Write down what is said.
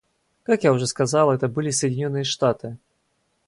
Как я уже сказал, это были Соединенные Штаты.